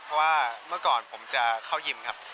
เพราะว่าเมื่อก่อนผมจะเข้ายิมครับ